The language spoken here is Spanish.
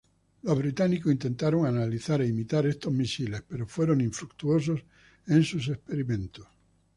Los británicos intentaron analizar e imitar estos misiles pero fueron infructuoso en sus experimentos.